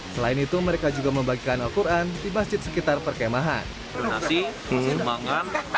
selain itu mereka juga membagikan alquran di masjid sekitar perkemahan donasi kembangkan